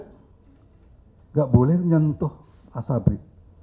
tidak boleh nyentuh asabri